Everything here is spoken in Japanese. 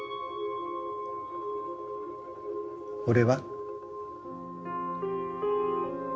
俺は？